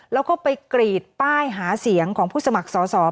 แล้วก็ไปกรีดป้ายหาเสียงของผู้สมัครสอสอ